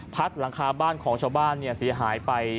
หลังคาบ้านของชาวบ้านเสียหายไป